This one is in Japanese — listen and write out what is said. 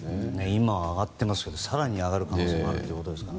今、上がってますが更に上がる可能性もあると。